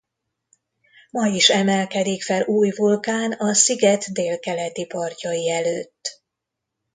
Ma is emelkedik fel új vulkán a sziget délkeleti partjai előtt.